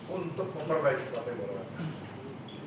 untuk memperbaiki kesehatan